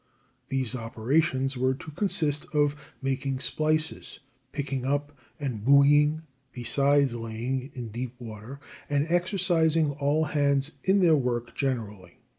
These operations were to consist of making splices, picking up and buoying (besides laying) in deep water, and exercising all hands in their work generally.